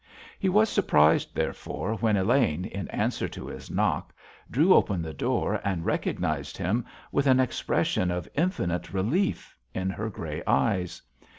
He was surprised, therefore, when Elaine, in answer to his knock, drew open the door and recognised him with an expression of infinite relief in her grey eyes.